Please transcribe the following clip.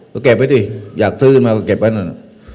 ก็เก็บไว้ดิอยากซื้อมาก็เก็บไว้นั่น